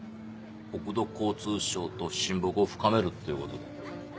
国土交通省と親睦を深めるってことで。